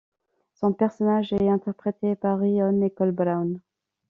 Son personnage est interprété par Rhyon Nicole Brown.